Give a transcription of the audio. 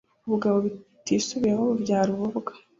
Ubugabo butisubiraho bubyara ububwa.